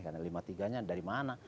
karena lima puluh tiga nya dari mana